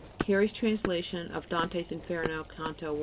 (Carey's translation of Dante's Inferno, Canto I.)